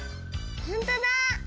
ほんとだ！